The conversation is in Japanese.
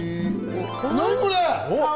何これ！